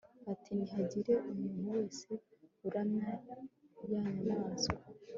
ati nihagira umuntu wese uramya ya nyamaswa